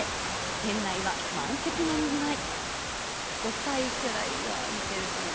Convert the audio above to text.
店内は満席のにぎわい。